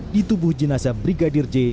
di tubuh jenazah brigadir j